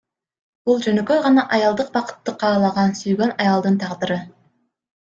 Бул жөнөкөй гана аялдык бакытты каалаган сүйгөн аялдын тагдыры.